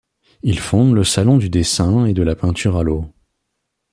Il fonde le Salon du dessin et de la peinture à l'eau.